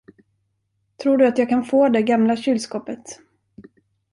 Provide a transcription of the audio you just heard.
Tror du att jag kan få det gamla kylskåpet?